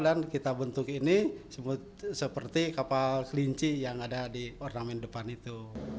dan kita bentuk ini seperti kapal kelinci yang ada di ornamen depan itu